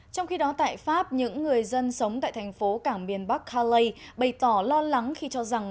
trong khi đó tại pháp những người dân sống tại thành phố cảng miền bắc haley bày tỏ lo lắng khi cho rằng